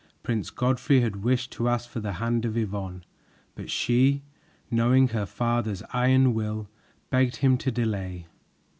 Prince Godfrey had wished to ask for the hand of Yvonne, but she, knowing her father's iron will, begged him to delay.